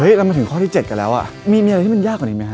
เรามาถึงข้อที่๗กันแล้วอ่ะมีอะไรที่มันยากกว่านี้ไหมฮ